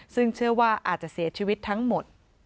ซึ่งเชื่อว่าอาจจะเสียชีวิตทั้งหมด